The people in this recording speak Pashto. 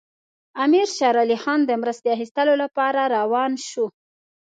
امیر شېر علي خان د مرستې اخیستلو لپاره روان شو.